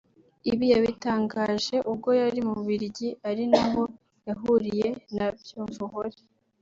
Ibi yabitangaje ubwo yari mu Bubiligi ari naho yahuriye na Byumvuhore